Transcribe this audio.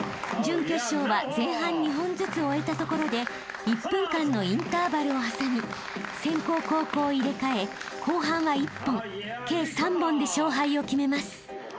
［準決勝は前半２本ずつ終えたところで１分間のインターバルを挟み先攻後攻を入れ替え後半は１本計３本で勝敗を決めます］